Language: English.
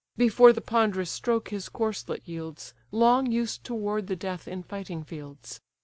Before the ponderous stroke his corslet yields, Long used to ward the death in fighting fields.